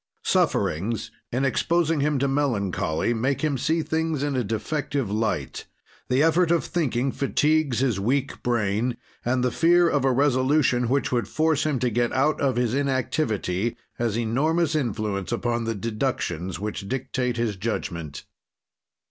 Sufferings, in exposing him to melancholy, make him see things in a defective light; the effort of thinking fatigues his weak brain, and the fear of a resolution which would force him to get out of his inactivity has enormous influence upon the deductions which dictate his judgment.